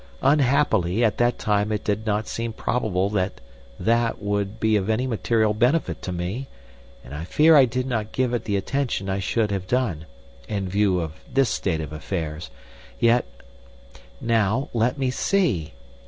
Unhappily, at that time it did not seem probable that that would be of any material benefit to me, and I fear I did not give it the attention I should have done—in view of this state of affairs. Yet.... Now, let me see!